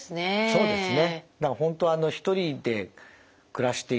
そうですね。